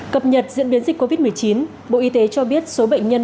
cập nhật diễn biến dịch covid một mươi chín bộ y tế cho biết số bệnh nhân